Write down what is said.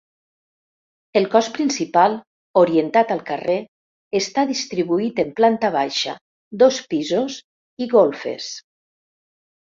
El cos principal, orientat al carrer, està distribuït en planta baixa, dos pisos i golfes.